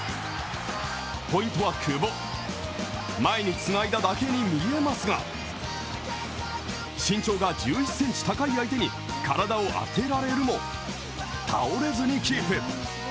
ポイントは久保、前につないだだけに見えますが、身長が１１ｃｍ高い相手に体を当てられるも倒れずにキープ。